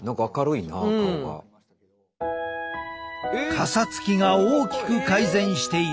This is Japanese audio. かさつきが大きく改善している。